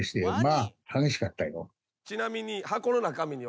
ちなみに。